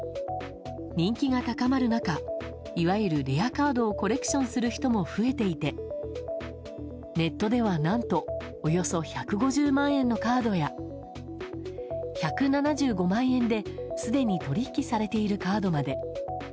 人気が高まる中いわゆるレアカードをコレクションする人も増えていてネットでは何とおよそ１５０万円のカードや１７５万円ですでに取引されているカードまで。